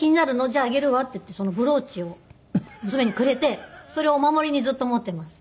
「じゃああげるわ」って言ってそのブローチを娘にくれてそれをお守りにずっと持っています。